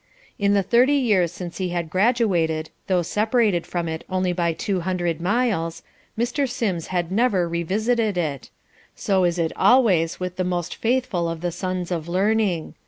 In the thirty years since he had graduated, though separated from it only by two hundred miles, Mr. Sims had never revisited it. So is it always with the most faithful of the sons of learning.